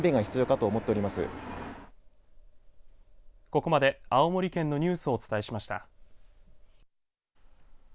ここまで青森県のニュースをお伝えしました。